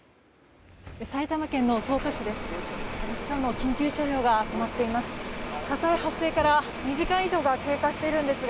埼玉県の草加市です。